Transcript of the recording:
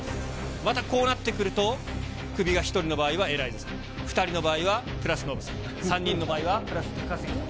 またこうなってくると、クビが１人の場合はエライザさんに、２人の場合はプラスノブさん、３人の場合はプラス高杉さん。